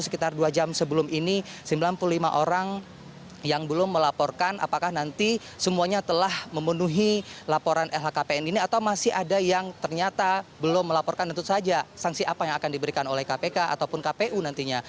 sekitar dua jam sebelum ini sembilan puluh lima orang yang belum melaporkan apakah nanti semuanya telah memenuhi laporan lhkpn ini atau masih ada yang ternyata belum melaporkan tentu saja sanksi apa yang akan diberikan oleh kpk ataupun kpu nantinya